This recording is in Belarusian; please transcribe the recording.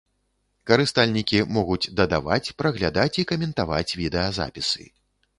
Карыстальнікі могуць дадаваць, праглядаць і каментаваць відэазапісы.